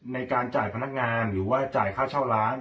ในการจ่ายพนักงานหรือว่าจ่ายค่าเช่าร้าน